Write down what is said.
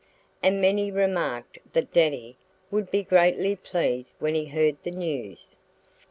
And many remarked that Daddy would be greatly pleased when he heard the news.